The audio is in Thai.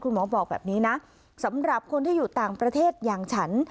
หมอบอกแบบนี้นะสำหรับคนที่อยู่ต่างประเทศอย่างฉัน